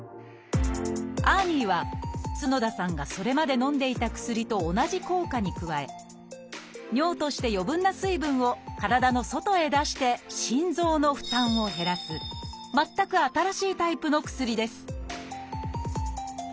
ＡＲＮＩは角田さんがそれまでのんでいた薬と同じ効果に加え尿として余分な水分を体の外へ出して心臓の負担を減らす全く新しいタイプの薬です